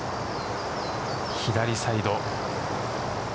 左サイド。